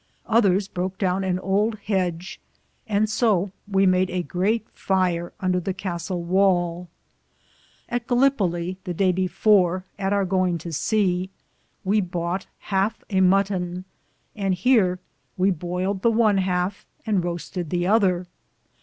Others broke downe an ould hedge ; and so we made a greate fier under the Castle wale. At Gallipilo, the daye before, at our goinge to sea, we boughte halfe a mutton, and heare we boyled the one halfe, and rosted the other.